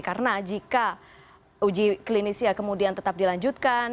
karena jika uji klinis ya kemudian tetap dilanjutkan